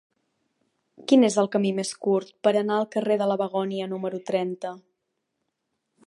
Quin és el camí més curt per anar al carrer de la Begònia número trenta?